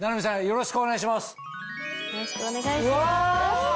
よろしくお願いします。